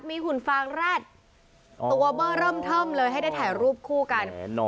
มีหุ่นฟางแร็ดตัวเบอร์เริ่มเทิมเลยให้ได้ถ่ายรูปคู่กัน